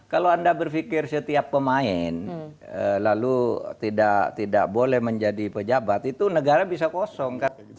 kalau anda berpikir setiap pemain lalu tidak boleh menjadi pejabat itu negara bisa kosong